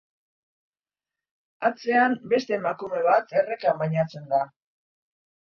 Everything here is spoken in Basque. Atzean beste emakume bat errekan bainatzen da.